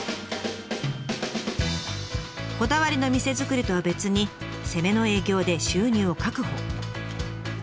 こだわりの店作りとは別に攻めの営業で収入を確保。